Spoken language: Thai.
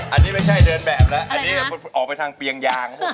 อันนี้ไม่ใช่เดินแบบแล้วอันนี้ออกไปทางเปียงยาง